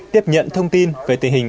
tiếp nhận thông tin về tình hình